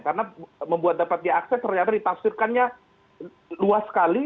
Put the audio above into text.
karena membuat dapat diakses ternyata ditaksirkannya luas sekali